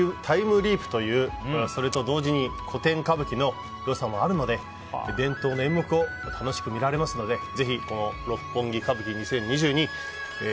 タイムリープというそれと同時に古典歌舞伎の良さもあるので伝統の演目を楽しくみられますのでぜひ「六本木歌舞伎２０２２」